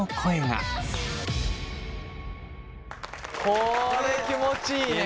これ気持ちいいね。